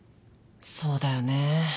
そうだよね。